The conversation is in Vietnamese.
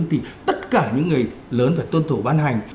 thì tất cả những người lớn phải tuân thủ ban hành